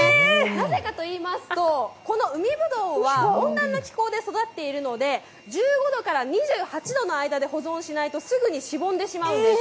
なぜかといいますと、海ぶどうは温暖な気候で育っているので、１８度から保存しないとすぐにしぼんでしまうんです。